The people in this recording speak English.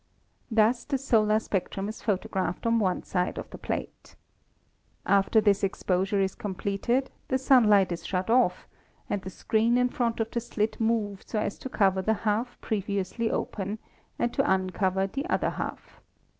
Thus the solar spectrum is photo graphed on one side of the plate. After this exposure is completed, the sunlight is shut off, and the screen in front of the slit moved so as to cover the half previously open and to uncover the other half.